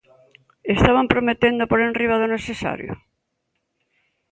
¿Estaban prometendo por enriba do necesario?